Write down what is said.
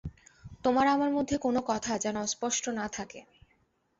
তোমার আমার মধ্যে কোনো কথা যেন অস্পষ্ট না থাকে।